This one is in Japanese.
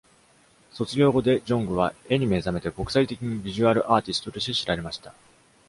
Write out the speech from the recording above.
卒業後、デ・ジョングは絵に目覚めて、国際的にビジュアルアーティストとして知られました。